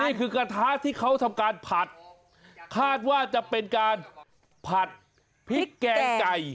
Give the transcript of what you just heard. นี่คือกระทะที่เขาทำการผัดคาดว่าจะเป็นการผัดพริกแกงไก่